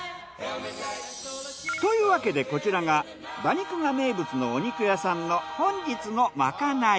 というわけでこちらが馬肉が名物のお肉屋さんの本日のまかない。